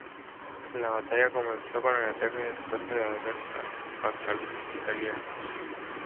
La batalla comenzó con el ataque del conde de Aversa contra los italianos.